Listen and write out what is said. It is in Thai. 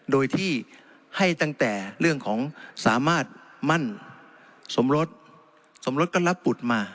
โดยที่ให้ตั้งแต่เรื่องของสามารถมั่นสมรสสมรสก็รับบุตรมา